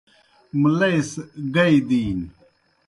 مُلئی سہ گئی دِینیْ۔